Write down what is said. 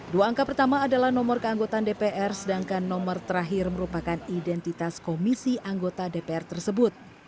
dua angka pertama adalah nomor keanggotaan dpr sedangkan nomor terakhir merupakan identitas komisi anggota dpr tersebut